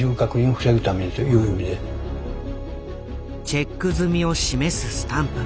チェック済みを示すスタンプ。